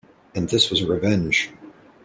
And this was revenge.